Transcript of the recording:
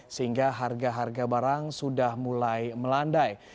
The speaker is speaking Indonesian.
sehingga harga harga barang sudah mulai melandai